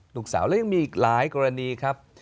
ลูกสาวและยังมีอีกหลายกรณีครับ